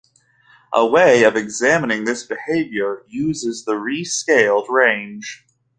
A way of examining this behavior uses the rescaled range.